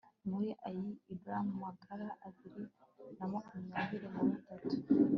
muri ayi l bari magana abiri na makumyabiri na batatu